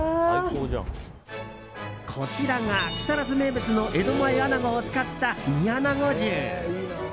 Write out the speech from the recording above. こちらが木更津名物の江戸前アナゴを使った煮穴子重。